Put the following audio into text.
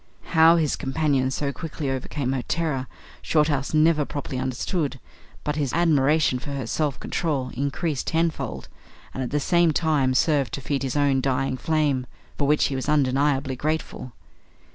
How his companion so quickly overcame her terror, Shorthouse never properly understood; but his admiration for her self control increased tenfold, and at the same time served to feed his own dying flame for which he was undeniably grateful.